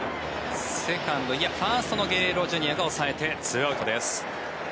ファーストのゲレーロＪｒ．が抑えて２アウトです。